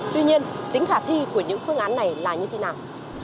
tuy nhiên tính khả thi của những phương án này là như thế nào